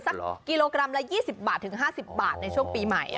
กิโลกรัมละ๒๐บาทถึง๕๐บาทในช่วงปีใหม่